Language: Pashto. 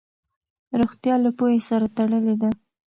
روغتیا له پوهې سره تړلې ده.